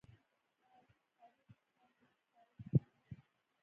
د علي له کارونو څخه احمد څارنه کوي.